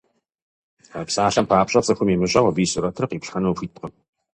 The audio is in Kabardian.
Псалъэм папщӏэ, цӏыхум имыщӏэу, абы и сурэтыр къиплъхьэну ухуиткъым.